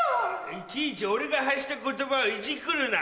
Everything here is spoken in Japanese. いちいち俺が発した言葉をいじくるな！